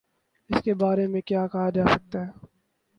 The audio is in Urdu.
اس کے بارے میں کیا کہا جا سکتا ہے۔